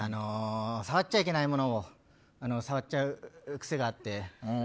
触っちゃいけないものを触っちゃう癖があって。